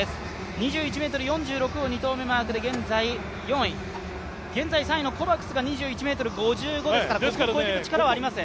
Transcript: ２１ｍ４６を２投目に出しまして現在４位現在３位のコバクスが２１ｍ５５ですから、ここを超えていく力はありますね。